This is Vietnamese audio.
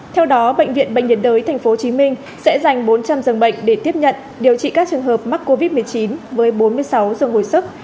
theo đó bệnh viện bệnh nhiệt đới tp hcm sẽ dành bốn trăm linh dường bệnh để tiếp nhận điều trị các trường hợp mắc covid một mươi chín với bốn mươi sáu giường hồi sức